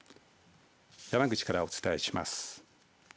山口からお伝えします。